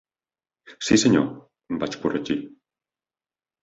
Sí senyor, vaig corregir.